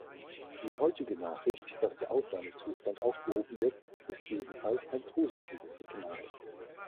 Die heutige Nachricht, dass der Ausnahmezustand aufgehoben wird, ist ebenfalls ein positives Signal.